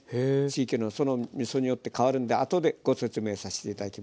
地域のそのみそによって変わるんであとでご説明させて頂きます。